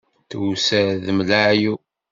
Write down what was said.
Tewser d mm laɛyub.